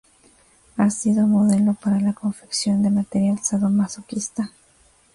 Ha sido modelo para la confección de material sadomasoquista.